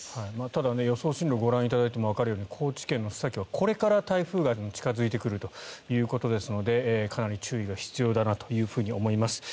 ただ、予想進路をご覧いただいてもわかるように高知県須崎市は、これから台風が近付いてくるということですのでかなり注意が必要だなと思います。